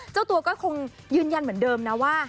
เจ้าตัวก็คงยืนยันเหมือนเดิมนะว่า